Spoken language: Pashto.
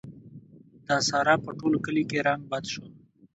د سارا په ټول کلي کې رنګ بد شو.